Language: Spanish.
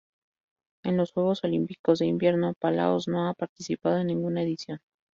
En los Juegos Olímpicos de Invierno Palaos no ha participado en ninguna edición.